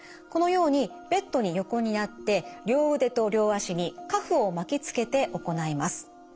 このようにベッドに横になって両腕と両足にカフを巻きつけて行います。